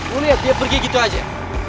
lu liat dia pergi gitu aja